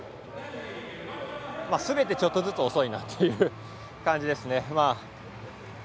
すべてちょっとずつ遅いなという感じですね。